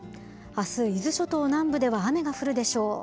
あす、伊豆諸島南部では雨が降るでしょう。